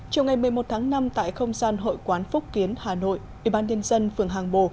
chiều một mươi một tháng năm tại không gian hội quán phúc kiến hà nội ủy ban nhân dân phường hàng bồ